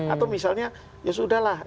atau misalnya ya sudah lah